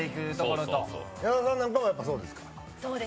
矢田さんなんかもそうですか？